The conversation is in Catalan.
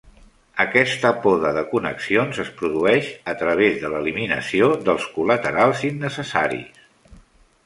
Aquesta poda de connexions es produeix a través de l'eliminació dels col·laterals innecessaris.